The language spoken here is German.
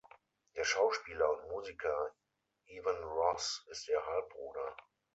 Der Schauspieler und Musiker Evan Ross ist ihr Halbbruder.